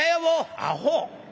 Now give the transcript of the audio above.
「アホ！